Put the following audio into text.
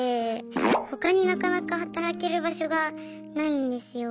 他になかなか働ける場所がないんですよ。